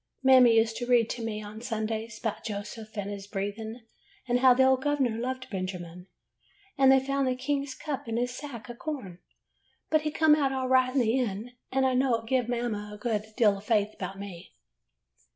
Mammy used to read to me on Sundays 'bout Joseph an' his brethren, and how the old gov'ner loved Benjamin, and they [ 51 ] AN EASTER LILY found the king's cup in his sack o' corn. But he come out all right in the end, and I know it give Mammy a good deal of faith 'bout me.